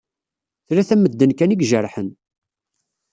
Tlata n medden kan i ijerḥen.